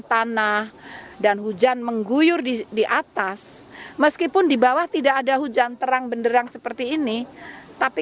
tanah dan hujan mengguyur di atas meskipun di bawah tidak ada hujan terang benderang seperti ini tapi